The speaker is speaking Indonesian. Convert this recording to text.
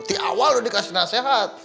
di awal sudah dikasih nasehat